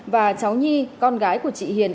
và cháu nhi con gái của chị hiền